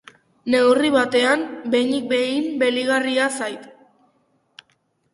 Neurri batean, behinik behin, baliagarria zait.